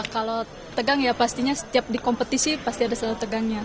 kalau tegang ya pastinya setiap di kompetisi pasti ada salah tegangnya